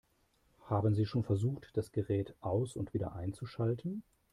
Haben Sie schon versucht, das Gerät aus- und wieder einzuschalten?